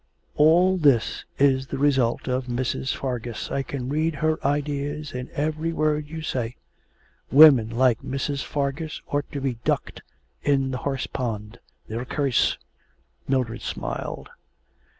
'All this is the result of Mrs. Fargus. I can read her ideas in every word you say. Women like Mrs. Fargus ought to be ducked in the horse pond. They're a curse.' Mildred smiled.